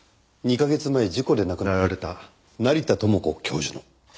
２カ月前事故で亡くなられた成田知子教授の。